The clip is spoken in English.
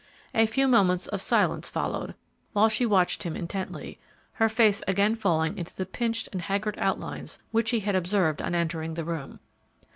A few moments of silence followed, while she watched him intently, her face again falling into the pinched and haggard outlines which he had observed on entering the room.